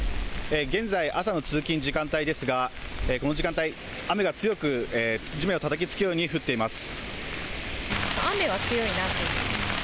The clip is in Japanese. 現在、朝の通勤時間帯ですがこの時間帯、雨が強く、地面をたたきつけるように降っています。